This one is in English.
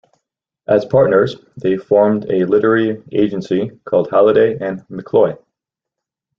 As partners, they formed a literary agency called Halliday and McCloy.